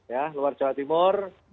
ya luar jawa timur